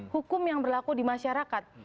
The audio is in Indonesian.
hukum yang berlaku di masyarakat